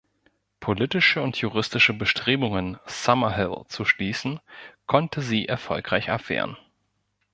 Politische und juristische Bestrebungen, Summerhill zu schließen, konnte sie erfolgreich abwehren.